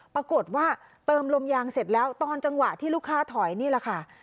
เติมลมยางเสร็จแล้วตอนจังหวะที่ลูกค้าถอยนี่แหละค่ะ